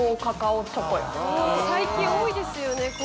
最近多いですよね。